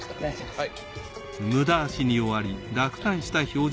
はい。